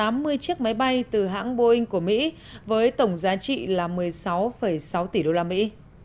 tám mươi chiếc máy bay từ hãng boeing của mỹ với tổng giá trị là một mươi sáu sáu tỷ đô la mỹ